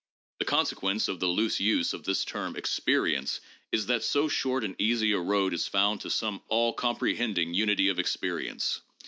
The consequence of the loose use of this term 'experience' is that so short and easy a road is found to some all comprehending unity of experience.